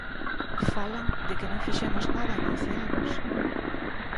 Falan de que non fixemos nada en once anos.